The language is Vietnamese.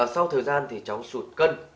sau thời gian thì cháu sụt cân